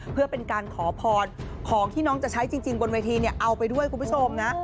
เพื่อเป็นการขอพรของที่น้องจะใช้จริงบนเวทีเนี่ยเอาไปด้วยคุณผู้ชมนะ